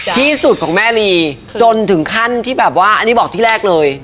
ที่สุดของแม่ลีจนถึงขั้นที่แบบว่าอันนี้บอกที่แรกเลย